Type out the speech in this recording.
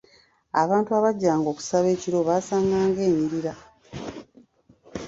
Abantu abajjanga okusaba ekiro baasanganga enyirira.